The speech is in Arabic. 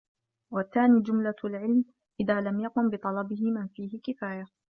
وَالثَّانِي جُمْلَةُ الْعِلْمِ إذَا لَمْ يَقُمْ بِطَلَبِهِ مَنْ فِيهِ كِفَايَةٌ